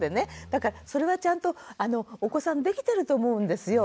だからそれはちゃんとお子さんできてると思うんですよ。